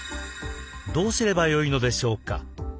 どうすればよいのでしょうか？